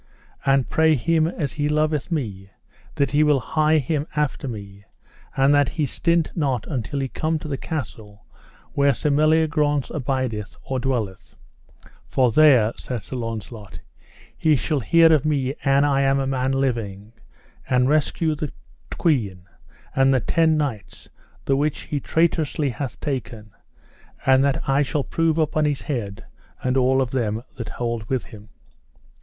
And pray him as he loveth me, that he will hie him after me, and that he stint not until he come to the castle where Sir Meliagrance abideth, or dwelleth; for there, said Sir Launcelot, he shall hear of me an I am a man living, and rescue the queen and the ten knights the which he traitorously hath taken, and that shall I prove upon his head, and all them that hold with him.